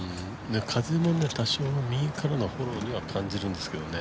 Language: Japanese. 風も多少右からのフォローには感じるんですけどね。